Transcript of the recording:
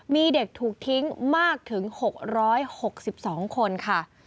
มีเด็กถูกทิ้งมากถึง๖๖๒คนค่ะ